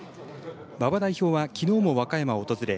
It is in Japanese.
馬場代表はきのうも和歌山を訪れ